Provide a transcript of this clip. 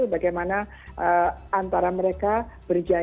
bagaimana antara mereka berjabri